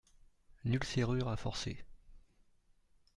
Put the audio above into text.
Nulle serrure à forcer.